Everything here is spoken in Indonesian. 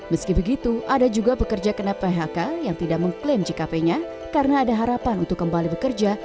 meski begitu ada juga pekerja kena phk yang tidak mengklaim jkp nya karena ada harapan untuk kembali bekerja